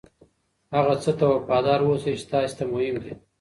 هغه څه ته وفادار اوسئ چې تاسې ته مهم دي.